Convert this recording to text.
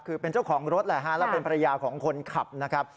คือเป็นเจ้าของรถแหละฮะแล้วเป็นภรรยาของคนขับนะครับ